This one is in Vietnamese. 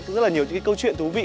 rất là nhiều những câu chuyện thú vị